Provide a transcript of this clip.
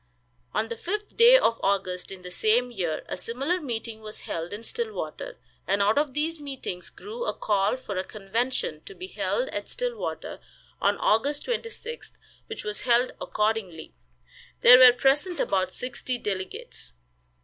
On the fifth day of August, in the same year, a similar meeting was held in Stillwater, and out of these meetings grew a call for a convention, to be held at Stillwater, on August 26th, which was held accordingly. There were present about sixty delegates.